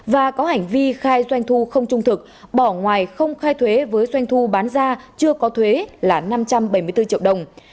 và có hành vi khai doanh thu không trung thực bỏ ngoài không khai thuế với doanh thu bán ra chưa có thuế là năm trăm bảy mươi bốn triệu đồng